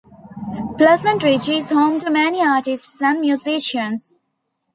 Pleasant Ridge is home to many artists and musicians.